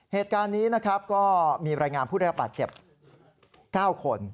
เหตุการณ์นี้ก็มีรายงานพูดเรียกว่าบาดเจ็บ๙คน